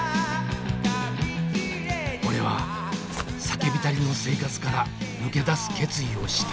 俺は酒浸りの生活から抜け出す決意をした。